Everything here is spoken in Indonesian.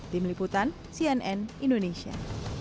tim liputan cnn indonesia